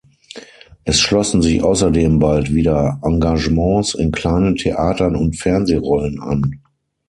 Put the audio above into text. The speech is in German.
Es schlossen sich außerdem bald wieder Engagements in kleinen Theatern und Fernsehrollen an.